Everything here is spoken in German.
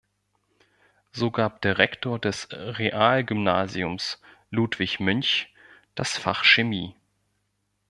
So gab der Rektor des Realgymnasiums, Ludwig Münch, das Fach Chemie.